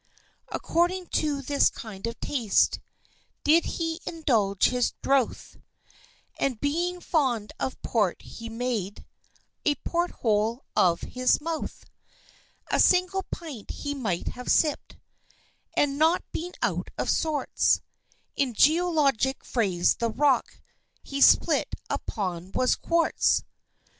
According to this kind of taste Did he indulge his drouth, And being fond of Port, he made A port hole of his mouth! A single pint he might have sipp'd And not been out of sorts, In geologic phrase the rock He split upon was quarts!